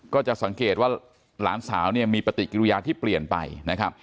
ก็จะสังเกตว่าหลานสาวเนี่ยมีปฏิกิริยาที่เปลี่ยนไปนะครับ